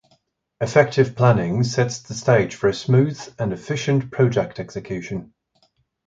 Effective planning sets the stage for a smooth and efficient project execution.